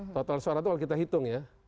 total suara itu kalau kita hitung ya